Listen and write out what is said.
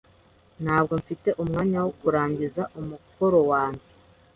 Ntabwo mfite umwanya wo kurangiza umukoro wanjye.